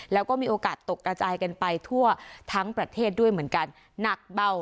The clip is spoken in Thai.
แล้วก็มีโอกาสตกกระจายกันไปทั่วทั้งประเทศด้วยเหมือนกันหนักเบา